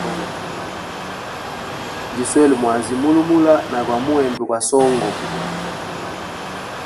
Niswele mwazi mulimula na gwa muembe gwa songo.